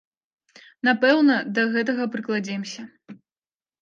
Напэўна, да гэтага прыкладземся.